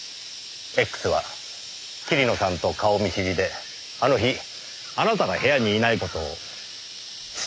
Ｘは桐野さんと顔見知りであの日あなたが部屋にいない事を知っていた人物です。